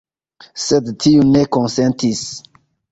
Sed tiu ne konsentis.